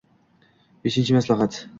Beshinchi maslahat.